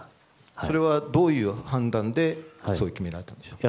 それはどういう判断でそう決められたんですか？